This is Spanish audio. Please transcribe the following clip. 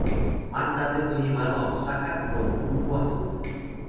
Más tarde fue llevado a Osaka, con rumbo a Seúl.